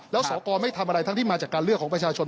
แล้วสอกรไม่ทำอะไรทั้งที่มาจากการเลือกของประชาชน